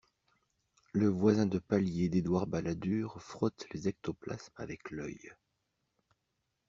Le voisin de palier d'Edouard Balladur frotte les ectoplasmes avec l'œil.